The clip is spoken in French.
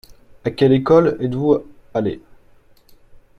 À quelle école êtes-vous allé ?